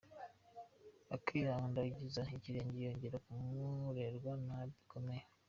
Akihakandagiza ikirenge yongeye kumererwa nabi bikomeye.